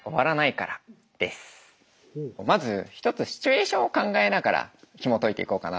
まず一つシチュエーションを考えながらひもといていこうかなと思います。